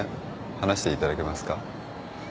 話していただけますか。